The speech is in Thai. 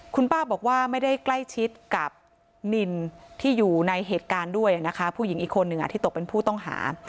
คุณป้าบอกว่าไม่ได้ใกล้ชิดกับนินที่อยู่ในเหตุการณ์ด้วยนะคะผู้หญิงอีกคนหนึ่งที่ตกเป็นผู้ต้องหา